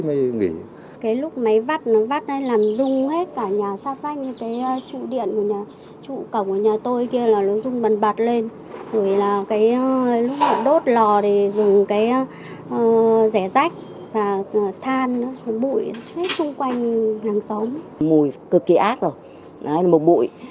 mùi cực kỳ ác rồi một bụi